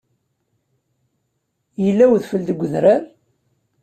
Yella udfel deg udrar?